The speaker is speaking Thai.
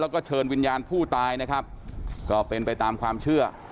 แล้วก็เชิญวิญญาณผู้ตายนะครับก็เป็นไปตามความเชื่อ